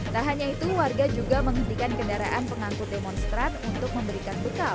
tak hanya itu warga juga menghentikan kendaraan pengangkut demonstran untuk memberikan bekal